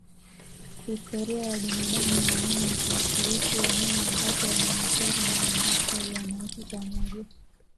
Historia ya binadamu wa mwanzo kuishi eneo ambako wanyamapori na wamaasai wanaishi pamoja